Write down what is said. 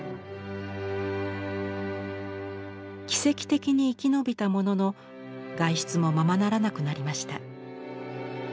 奇跡的に生き延びたものの外出もままならなくなりました。